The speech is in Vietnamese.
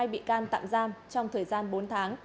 bị can tạm giam trong thời gian bốn tháng